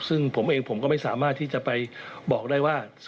ซึ่งผมเองผมก็ไม่สามารถที่จะไปบอกได้ว่า